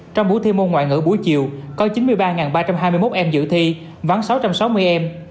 trong buổi thi môn ngoại ngữ buổi chiều có chín mươi ba ba trăm hai mươi một em dự thi vắng sáu trăm sáu mươi em